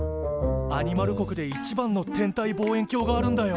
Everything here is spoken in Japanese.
アニマル国で一番の天体望遠鏡があるんだよ。